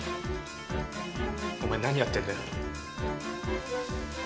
お前何やってんだよ？